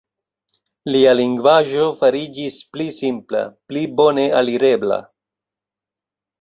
Lia lingvaĵo fariĝis pli simpla, pli bone alirebla.